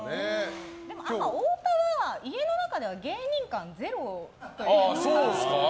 でも、あんまり太田は家の中では芸人感ゼロというか。